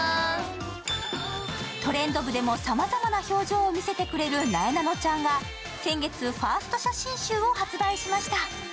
「トレンド部」でもさまざまな表情を見せてくれるなえなのちゃんが先月、ファースト写真集を発売しました。